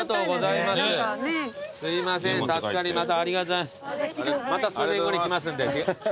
また数年後に来ますんで。